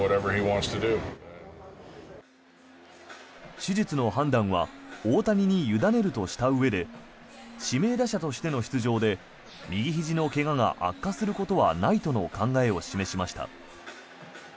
手術の判断は大谷に委ねるとしたうえで指名打者としての出場で右ひじの怪我が悪化することはないとの考えを示しました。